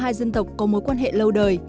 hai dân tộc có mối quan hệ lâu đời